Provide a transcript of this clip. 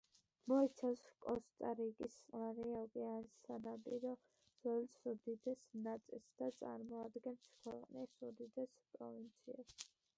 მოიცავს კოსტა-რიკის წყნარი ოკეანის სანაპირო ზოლის უდიდეს ნაწილს და წარმოადგენს ქვეყნის უდიდეს პროვინციას.